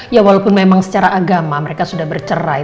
ya walaupun memang secara agama mereka sudah bercerai